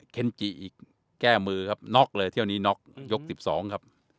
เคนจีอีกแก้มือครับน็อกเลยเที่ยวนี้น็อกยก๑๒ครับ